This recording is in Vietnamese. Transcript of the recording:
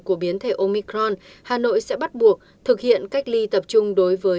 của biến thể omicron hà nội sẽ bắt buộc thực hiện cách ly tập trung đối với